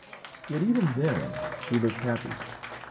Yet even then he looked happy.